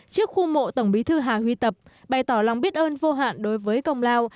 trước khu mộ tổng bí thư hà huy tập bày tỏ lòng biết ơn vô hạn đối với công lao